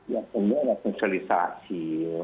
ya semua adalah fungsionalisasi